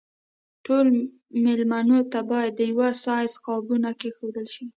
ټولو مېلمنو ته باید د یوه سایز قابونه کېښودل شي.